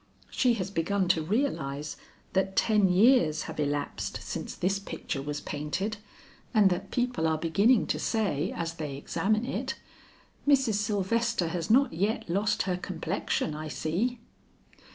She has begun to realize that ten years have elapsed since this picture was painted, and that people are beginning to say as they examine it, "Mrs. Sylvester has not yet lost her complexion, I see."